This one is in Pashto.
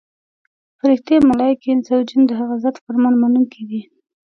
فرښتې، ملایکې، انس او جن د هغه ذات فرمان منونکي دي.